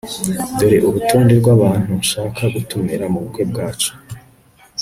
Dore urutonde rwabantu nshaka gutumira mubukwe bwacu